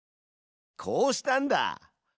こうしたんだ。